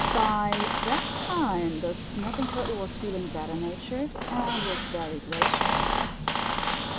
By that time the Snapping Turtle was feeling better natured and was very gracious.